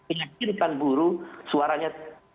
mengakibatkan buruh suaranya